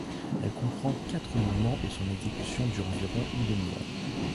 Elle comprend quatre mouvements et son exécution dure environ une demi-heure.